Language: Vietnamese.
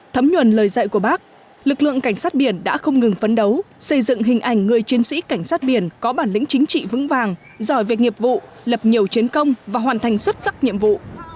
thấm nhuần lời dạy của bác lực lượng cảnh sát biển đã không ngừng phấn đấu xây dựng hình ảnh người chiến sĩ cảnh sát biển có bản lĩnh chính trị vững vàng giỏi việc nghiệp vụ lập nhiều chiến công và hoàn thành xuất sắc nhiệm vụ